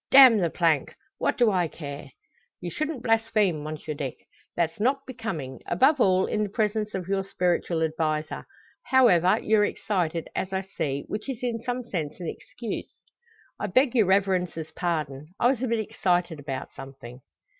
Damn the plank! What do I care?" "You shouldn't blaspheme, Monsieur Dick. That's not becoming above all, in the presence of your spiritual adviser. However, you're excited, as I see, which is in some sense an excuse." "I beg your Reverence's pardon. I was a bit excited about something."